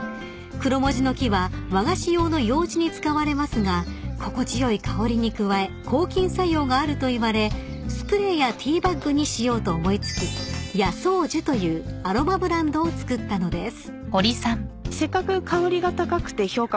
［クロモジの木は和菓子用のようじに使われますが心地よい香りに加え抗菌作用があるといわれスプレーやティーバッグにしようと思い付き野奏樹というアロマブランドをつくったのです］